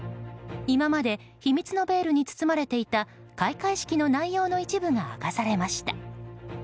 今まで秘密のベールに包まれていた開会式の内容の一部が明かされました。